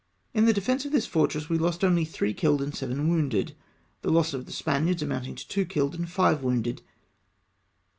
In the defence of this fortress, Ave lost only three killed and seven wounded ; the loss of the Sj^aniards amounting to two killed and five wounded.